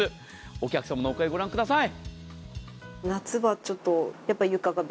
お客さんの声ご覧ください。